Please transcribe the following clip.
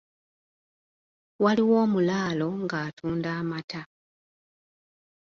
Waliwo omulaalo ng’atunda amata.